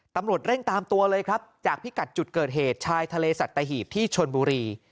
ตำรวจเร่งตามตัวเลยครับจากพิกัดจุดเกิดเหตุชายทะเลสัตหีบที่ชนบุรี